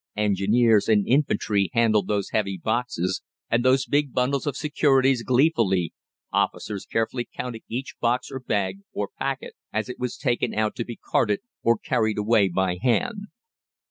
Engineers and infantry handled those heavy boxes and those big bundles of securities gleefully, officers carefully counting each box or bag or packet as it was taken out to be carted or carried away by hand.